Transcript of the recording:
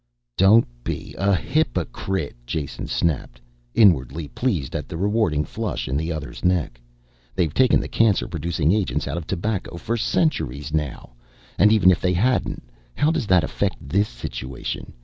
"Don't be a hypocrite!" Jason snapped, inwardly pleased at the rewarding flush in the other's neck. "They've taken the cancer producing agents out of tobacco for centuries now. And even if they hadn't how does that affect this situation.